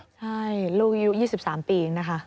ใช่ลูกอายุ๒๓ปีนะคะ